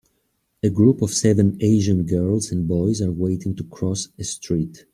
A group of seven Asian girls and boys are waiting to cross a street.